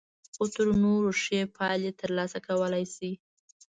خو تر نورو ښې پايلې ترلاسه کولای شئ.